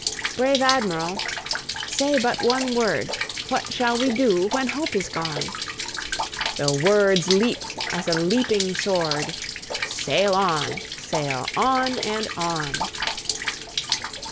Brave Admiral, say but one word; What shall we do when hope is gone?" The words leaped as a leaping sword: "Sail on! sail on! and on!"